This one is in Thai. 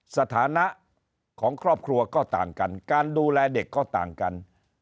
สถานะของครอบครัวก็ต่างกันการดูแลเด็กก็ต่างกัน